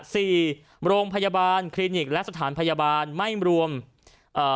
สี่โรงพยาบาลคลินิกและสถานพยาบาลไม่รวมเอ่อ